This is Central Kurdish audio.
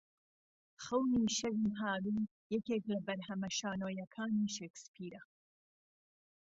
خەونی شەوی هاوین یەکێک لە بەرهەمە شانۆییەکانی شکسپیرە